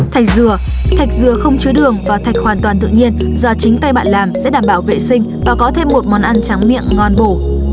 thạch dừa thạch dừa không chứa đường và thạch hoàn toàn tự nhiên do chính tay bạn làm sẽ đảm bảo vệ sinh và có thêm một món ăn trắng miệng ngon bổ